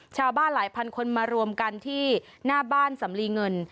ชาวบ้านหลายพันคนมารวมกันที่หน้าบ้านสำลีเงิน